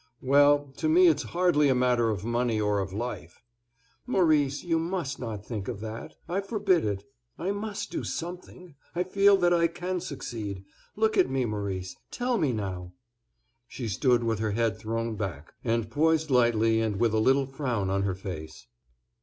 "Well, to me it's hardly a matter of money or of life." "Maurice, you must not think of that; I forbid it. I must do something. I feel that I can succeed. Look at me, Maurice—tell me now—" She stood with her head thrown back; and poised lightly, and with a little frown on her face.